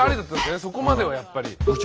そこまではやっぱり。